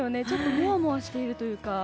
もわもわしているというか。